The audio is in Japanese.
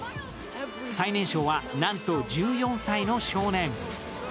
最年少は、なんと１４歳の少年。